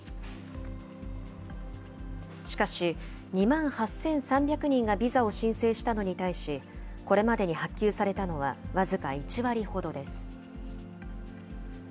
しかし、２万８３００人がビザを申請したのに対し、これまでに発給されたのは僅か１割ほどです。